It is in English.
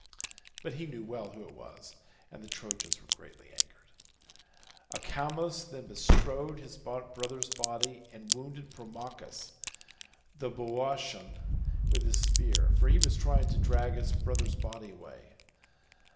But he knew well who it was, and the Trojans were greatly angered. Acamas then bestrode his brother's body and wounded Promachus the Boeotian with his spear, for he was trying to drag his brother's body away.